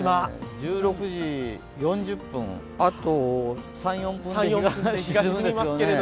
１６時４０分、あと３４分で日が沈むんですよね。